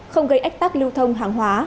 không gây ách tác lưu thông hàng hóa